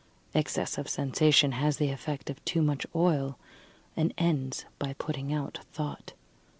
Excess of sensation has the effect of too much oil, and ends by putting out thought.